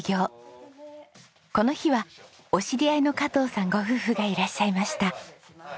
この日はお知り合いの加藤さんご夫婦がいらっしゃいました。